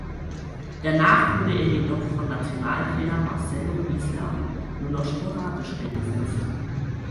Danach wurde er jedoch von Nationaltrainer Marcelo Bielsa nur noch sporadisch eingesetzt.